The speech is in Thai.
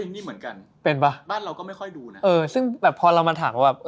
นี่เหมือนกันบ้านเราก็ไม่ค่อยดูนะเป็นปะเออซึ่งแบบพอเรามาถามว่า